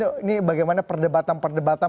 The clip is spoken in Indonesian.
ini bagaimana perdebatan perdebatan